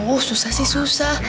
oh susah sih susah